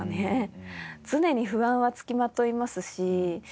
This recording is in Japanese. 常に不安は付きまといますし。